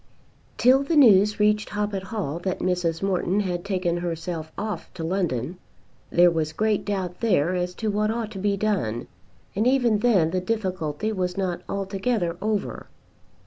Till the news reached Hoppet Hall that Mrs. Morton had taken herself off to London, there was great doubt there as to what ought to be done, and even then the difficulty was not altogether over.